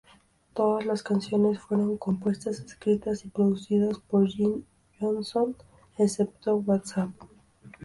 Todas las canciones fueron compuestas, escritas y producidas por Jim Johnston, excepto "What's Up?